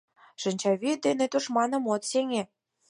Шинчавӱд дене тушманым от сеҥе.